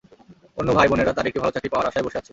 অন্য ভাই বোনেরা তাঁর একটি ভালো চাকরি পাওয়ার আশায় বসে আছে।